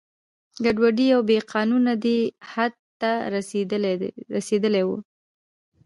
ګډوډي او بې قانونه دې حد ته رسېدلي وو.